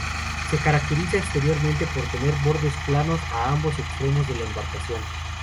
Se caracteriza exteriormente por tener bordes planos a ambos extremos de la embarcación.